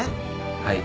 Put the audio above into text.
はい。